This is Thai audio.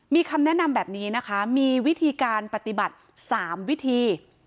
มีคำแนะนำแบบนี้นะคะมีวิธีการปฏิบัติ๓วิธี